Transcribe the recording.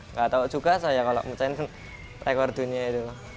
tidak tahu juga saya kalau mecahin rekor dunia itu